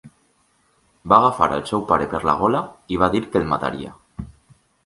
Va agafar el seu pare per la gola i va dir que el mataria.